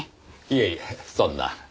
いえいえそんな。